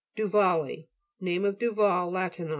DUVALII Name of Duval latinised.